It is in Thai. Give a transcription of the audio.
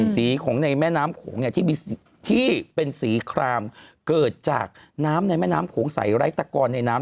สีของในแม่น้ำโขงที่เป็นสีครามเกิดจากน้ำในแม่น้ำโขงใสไร้ตะกอนในน้ำ